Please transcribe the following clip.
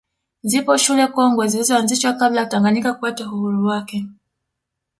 Zipo shule kongwe zilizoanzishwa kabla ya Tanganyika kupata uhuru wake